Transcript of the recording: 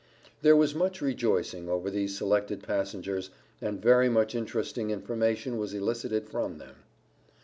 There was much rejoicing over these select passengers, and very much interesting information was elicited from them.